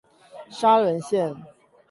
沙崙線